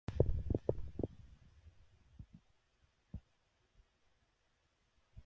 Más tarde empezó a impartir clases en su alma máter.